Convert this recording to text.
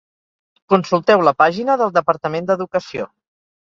Consulteu la pàgina del Departament d'Educació.